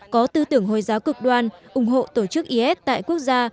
có tư tưởng hồi giáo cực đoan ủng hộ tổ chức is tại quốc gia